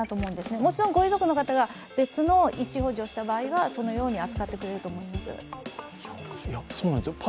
もちろんご遺族の方が別の意思表示をした場合はそのように扱ってくれると思います。